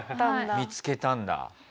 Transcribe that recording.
見つけたんだ。